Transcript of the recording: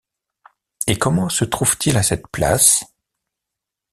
Et comment se trouve-t-il à cette place?